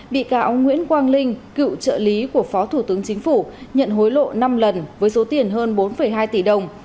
bị cáo nguyễn quang linh cựu trợ lý của phó thủ tướng chính phủ nhận hối lộ năm lần với số tiền hơn bốn hai tỷ đồng